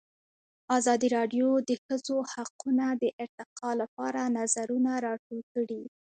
ازادي راډیو د د ښځو حقونه د ارتقا لپاره نظرونه راټول کړي.